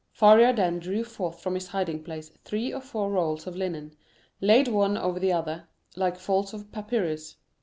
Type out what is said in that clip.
Faria then drew forth from his hiding place three or four rolls of linen, laid one over the other, like folds of papyrus.